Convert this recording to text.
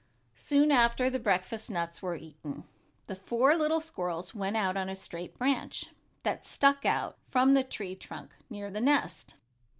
Soon, after the breakfast nuts were eaten, the four little squirrels went out on a straight branch, that stuck out from the tree trunk near the nest.